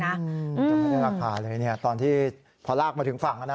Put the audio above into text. จำได้ราคาเลยเนี่ยตอนที่พอลากมาถึงฝั่งนะนะ